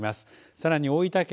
さらに大分県